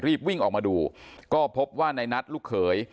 รีบวิ่งออกมาดูก็พบว่าในนัทลูกเขย